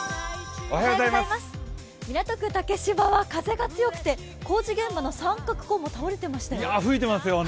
港区竹芝は風が強くて工事現場の三角コーンも倒れていましたよね。